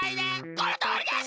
このとおりです！